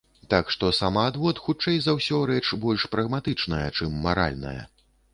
Так што самаадвод, хутчэй за ўсё, рэч больш прагматычная, чым маральная.